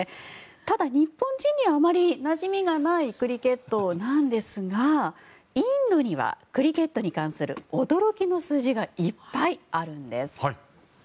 ただ、日本人にはあまりなじみがないクリケットなんですがインドにはクリケットに関する驚きの数字がいっぱいあるんです。